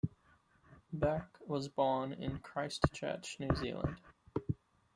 Burke was born in Christchurch, New Zealand.